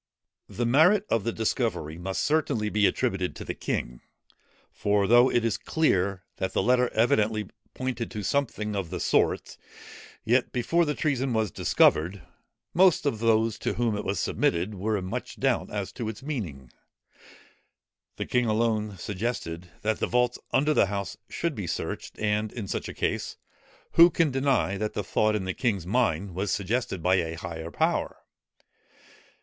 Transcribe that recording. The merit of the discovery must certainly be attributed to the king. For though it is clear that the letter evidently pointed to something of the sort; yet before the treason was discovered, most of those to whom it was submitted, were in much doubt as to its meaning. The king alone suggested, that the vaults under the House should be searched: and in such a case, who can deny, that the thought in the king's mind was suggested by a higher power?